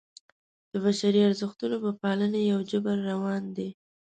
د بشري ارزښتونو په پالنې یو جبر روان دی.